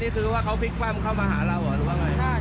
เดี๋ยวชัดแป๊บพลิกแม่มเข้ามา